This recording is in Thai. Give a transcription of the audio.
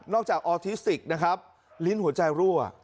จากออทิสติกนะครับลิ้นหัวใจรั่ว